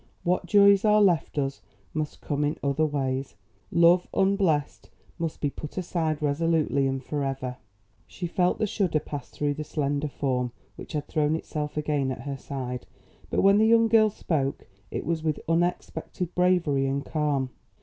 What joys are left us must come in other ways; love unblessed must be put aside resolutely and forever." She felt the shudder pass through the slender form which had thrown itself again at her side; but when the young girl spoke it was with unexpected bravery and calm.